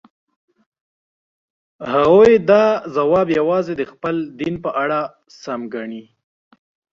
هغوی دا ځواب یوازې د خپل دین په اړه سم ګڼي.